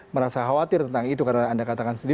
merasa khawatir tentang itu karena anda katakan sendiri